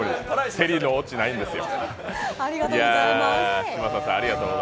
競りるオチないんですよ。